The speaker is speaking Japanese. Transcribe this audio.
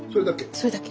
それだけ。